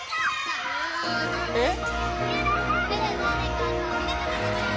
えっ？